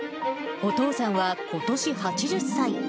お父さんはことし８０歳。